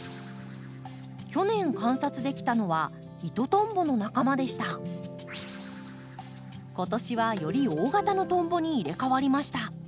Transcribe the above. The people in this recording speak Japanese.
去年観察できたのは今年はより大型のトンボに入れ代わりました。